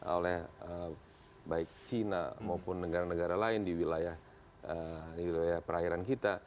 oleh baik china maupun negara negara lain di wilayah perairan kita